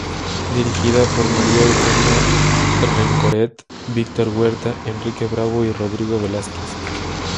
Dirigida por María Eugenia Rencoret, Víctor Huerta, Enrique Bravo y Rodrigo Velásquez.